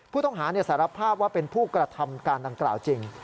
ผู้ต้องหาสารภาพว่าเป็นผู้กระทำการดังกล่าวจริง